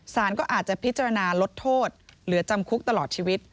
สารก็อาจจะพิจารณาลดโทษเหลือจำคุกตลอดชีวิต